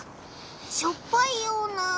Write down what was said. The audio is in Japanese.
しょっぱいような。